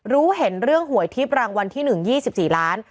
รู้เห็นเรื่องหวยทิพย์รางวัลที่๑๒๔ล้าน